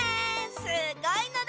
すごいのだ！